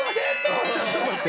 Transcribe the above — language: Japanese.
ちょっと待って。